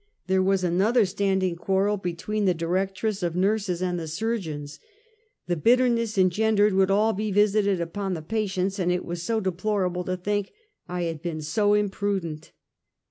There was another standing quarrel be tween the directress of nurses and the surgeons. The bitterness engendered would all be visited upon the patients, and it was so deplorable to think I had been so imprudent.